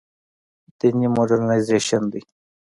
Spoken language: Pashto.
دیني مډرنیزېشن دی.